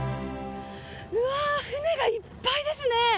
うわ船がいっぱいですね。